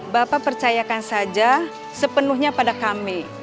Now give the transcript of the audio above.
bapak percayakan saja sepenuhnya pada kami